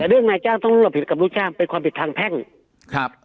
แต่เรื่องนายจ้างต้องรับผิดกับลูกจ้างเป็นความผิดทางแพ่งครับ